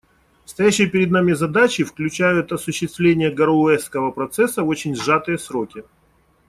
Стоящие перед нами задачи включают осуществление «Гароуэсского процесса» в очень сжатые сроки.